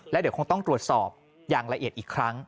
แล้วเดี๋ยวคงต้องตรวจสอบอย่างละเอียดอีกครั้ง